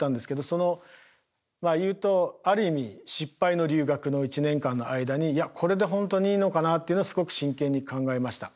その言うとある意味失敗の留学の１年間の間に「いやこれで本当にいいのかな」っていうのをすごく真剣に考えました。